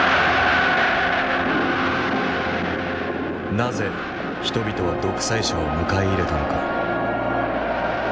なぜ人々は独裁者を迎え入れたのか。